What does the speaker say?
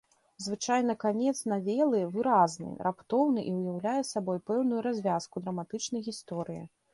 Звычайна канец навелы выразны, раптоўны і ўяўляе сабой пэўную развязку драматычнай гісторыі.